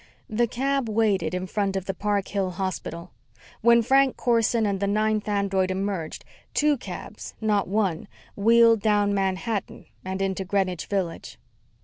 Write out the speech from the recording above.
The cab waited, in front of the Park Hill Hospital. When Frank Corson and the ninth android emerged, two cabs, not one, wheeled down Manhattan and into Greenwich Village.